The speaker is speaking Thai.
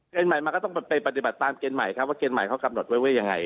ใหม่มันก็ต้องไปปฏิบัติตามเกณฑ์ใหม่ครับว่าเกณฑ์ใหม่เขากำหนดไว้ว่ายังไง